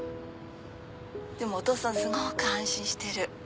でもお父さんすごく安心してる。